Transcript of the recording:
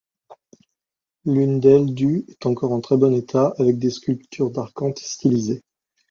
L'une d'elles du est encore en très bon état avec des sculptures d'acanthes stylisées.